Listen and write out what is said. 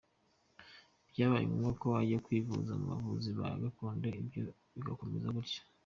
Byabaye ngombwa ko ajya kwivuza mu bavuzi ba gakondo na byo bikomeza gutyo.